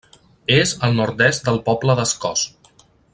És al nord-est del poble d'Escós.